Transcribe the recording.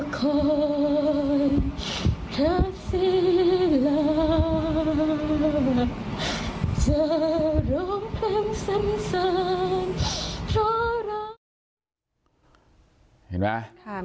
จะร้องเพลงซ้ำเพราะร้อง